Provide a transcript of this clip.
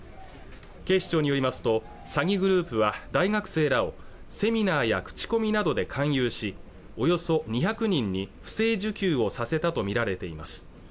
警視庁によりますと詐欺グループは大学生らをセミナーや口コミなどで勧誘しおよそ２００人に不正受給をさせたと見られています